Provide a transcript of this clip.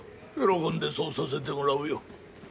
喜んでそうさせてもらうよ。